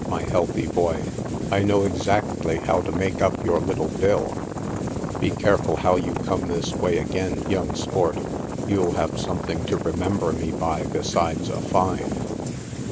my healthy boy, I know exactly how to make up your little bill ; be careiul how you come this way again, young sport. You'll have something to remember me by besides a fine.''